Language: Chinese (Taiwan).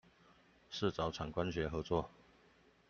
是找產官學合作